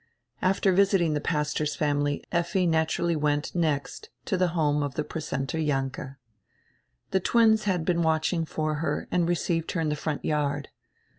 After visiting die pastor's family Effi naturally went next to die home of the precentor Jahnke. The twins had been watching for her and received her in die front yard.